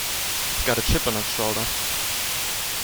It's got a chip on its shoulder.